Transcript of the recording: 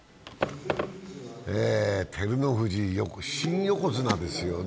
照ノ富士、新横綱ですよね。